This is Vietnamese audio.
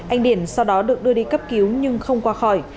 anh điển sau đó được đưa đi cấp cứu nhưng không qua khỏi